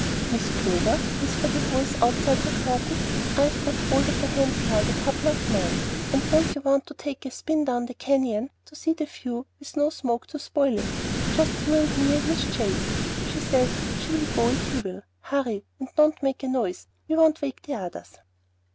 "Miss Clover," whispered a voice outside her curtains, "I've got hold of a hand car and a couple of men; and don't you want to take a spin down the canyon and see the view with no smoke to spoil it? Just you and me and Miss Chase. She says she'll go if you will. Hurry, and don't make a noise. We won't wake the others."